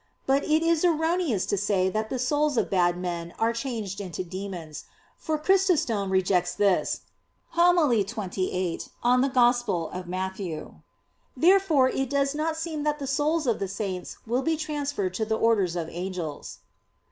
But it is erroneous to say that the souls of bad men are changed into demons; for Chrysostom rejects this (Hom. xxviii in Matt.). Therefore it does not seem that the souls of the saints will be transferred to the orders of angels.